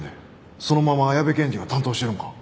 そのまま矢部検事が担当してるんか？